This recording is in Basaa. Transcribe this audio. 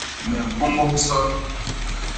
Me mbôñôs nson.